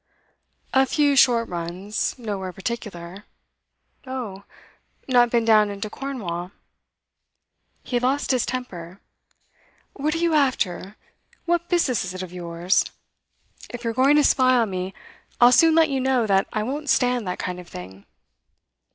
'A few short runs. Nowhere particular.' 'Oh? Not been down into Cornwall?' He lost his temper. 'What are you after? What business is it of yours? If you're going to spy on me, I'll soon let you know that I won't stand that kind of thing.